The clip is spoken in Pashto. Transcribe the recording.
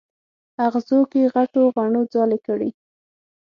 اغزو کې غټو غڼو ځالې کړي